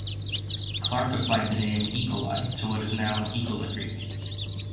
Clark applied the name "Ekoli" to what is now Ecola Creek.